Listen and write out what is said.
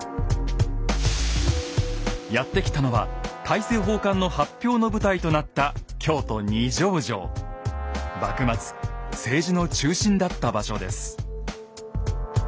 やって来たのは大政奉還の発表の舞台となった幕末政治の中心だった場所です。